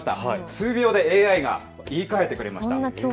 数秒でＡＩが言いかえてくれました。